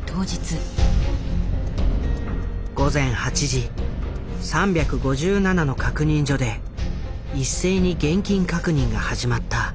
午前８時３５７の確認所で一斉に現金確認が始まった。